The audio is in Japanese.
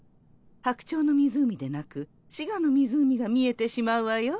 白鳥の湖でなく滋賀の湖が見えてしまうわよ。